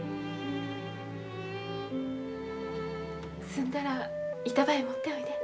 済んだら板場へ持っておいで。